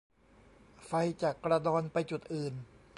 ไฟจะกระดอนไปจุดอื่น